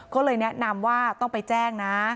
ก็เลยแนะนำว่าต้องไปแจ้งนะ